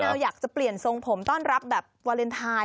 อยากจะเปลี่ยนทรงผมต้อนรับแบบวาเลนไทย